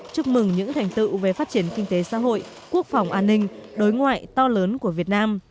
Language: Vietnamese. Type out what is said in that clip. chúc mừng những thành tựu về phát triển kinh tế xã hội quốc phòng an ninh đối ngoại to lớn của việt nam